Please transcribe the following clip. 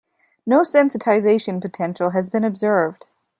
No sensitization potential has been observed.